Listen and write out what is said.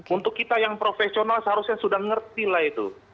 untuk kita yang profesional seharusnya sudah mengerti itu